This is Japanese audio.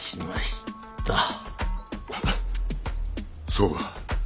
そうか。